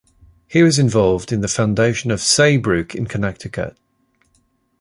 He was involved in the foundation of Saybrooke in Connecticut.